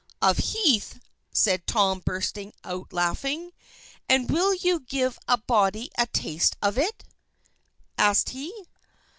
"Of heath!" said Tom bursting out laughing. "And will you give a body a taste of it?" asked he.